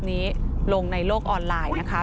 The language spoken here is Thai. นี้ลงในโลกออนไลน์นะคะ